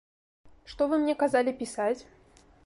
Што вы мне казалі пісаць?